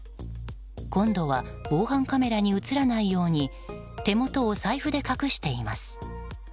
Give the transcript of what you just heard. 今度は防犯カメラに映らないように手元を財布で隠しています。